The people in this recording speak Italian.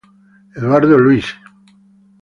Eduardo Luís